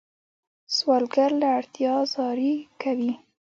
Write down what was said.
سوالګر له اړتیا زاری کوي